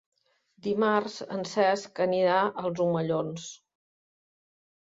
Dimarts en Cesc anirà als Omellons.